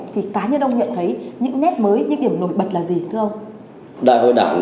thì cá nhân ông nhận thấy những nét mới những điểm nổi bật là gì thưa ông